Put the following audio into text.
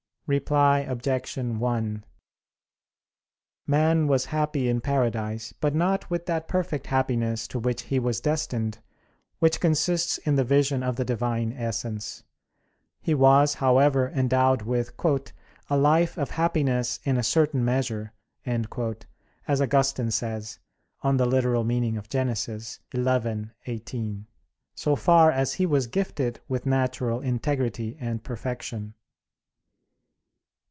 Reply Obj. 1: Man was happy in paradise, but not with that perfect happiness to which he was destined, which consists in the vision of the Divine Essence. He was, however, endowed with "a life of happiness in a certain measure," as Augustine says (Gen. ad lit. xi, 18), so far as he was gifted with natural integrity and perfection.